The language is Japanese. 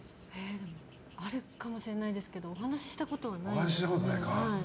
あるかもしれないですけどお話をしたことはないです。